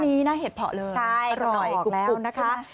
หน้านี้หน้าเห็ดเพราะเลยอร่อยกรุบใช่ไหม